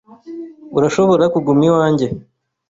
Urashobora kuguma iwanjye.